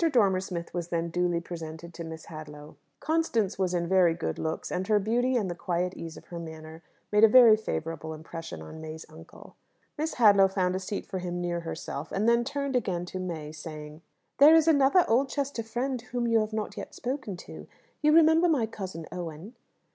Dormer Smith was then duly presented to Miss Hadlow. Constance was in very good looks, and her beauty and the quiet ease of her manner made a very favourable impression on May's uncle. Miss Hadlow found a seat for him near herself; and then turned again to May, saying, "There is another Oldchester friend whom you have not yet spoken to. You remember my cousin Owen?"